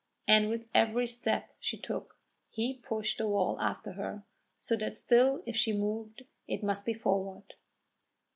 And with every step she took he pushed the wall after her, so that still if she moved it must be forward.